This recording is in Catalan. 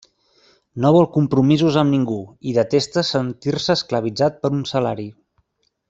No vol compromisos amb ningú i detesta sentir-se esclavitzat per un salari.